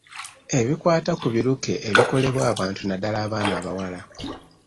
Ebikwata ku biruke ebikolebwa abantu naddala abaana abawala.